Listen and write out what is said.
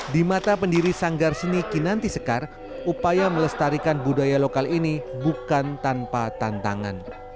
di mata pendiri sanggar seni kinanti sekar upaya melestarikan budaya lokal ini bukan tanpa tantangan